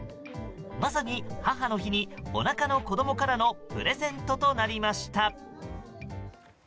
まさに母の日におなかの子供からのプレゼントとなりました。